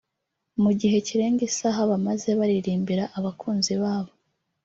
Mu gihe kirenga isaha bamaze baririmbira abakunzi babo